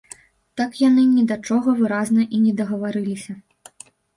Так яны ні да чаго выразнага і не дагаварыліся.